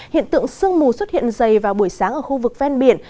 hiện tượng sương mù xuất hiện dày vào buổi sáng ở khu vực ven biển